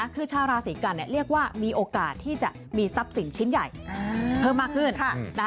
คือชาวราศีกันเรียกว่ามีโอกาสที่จะมีทรัพย์สินชิ้นใหญ่เพิ่มมากขึ้น